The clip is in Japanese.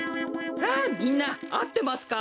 さあみんなあってますか？